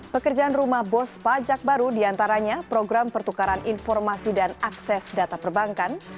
pekerjaan rumah bos pajak baru diantaranya program pertukaran informasi dan akses data perbankan